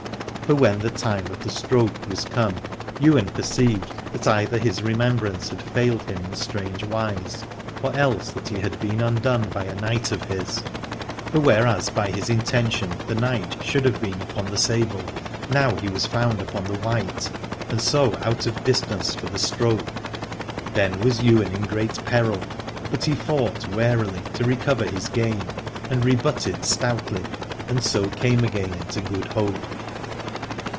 For when the time of the stroke 123 Aladore was come Ywain perceived that either his remembrance had failed him in strange wise, or else that he had been undone by a knight of his : for whereas by his intention the knight should have been upon the sable, now he was found upon the white, and so out of distance for the stroke. Then was Ywain in great peril, but he fought warily to recover his game, and rebutted stoutly and so came again into good hope.